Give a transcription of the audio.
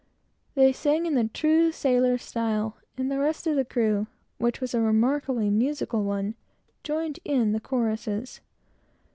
They sang in the true sailor's style, and the rest of the crew, which was a remarkably musical one, joined in the choruses.